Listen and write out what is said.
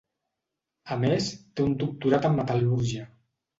A més té un doctorat en metal·lúrgia.